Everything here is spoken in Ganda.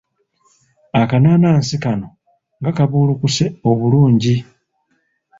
Akanaanansi kano nga kabuulukuse obulungi!